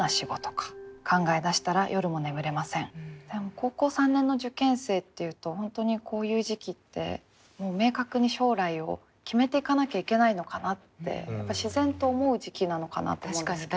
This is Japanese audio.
高校３年の受験生っていうと本当にこういう時期って明確に将来を決めていかなきゃいけないのかなってやっぱり自然と思う時期なのかなと思うんですけど。